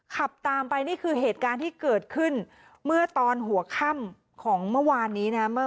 ขับตามไปนี่คือเหตุการณ์ที่เกิดขึ้นเมื่อตอนหัวค่ำของเมื่อวานนี้นะ